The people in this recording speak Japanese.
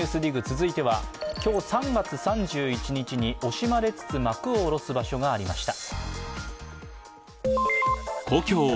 続いては、今日３月３１日に惜しまれつつ幕を下ろす場所がありました。